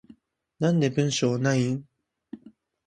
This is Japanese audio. なんで文章ないん？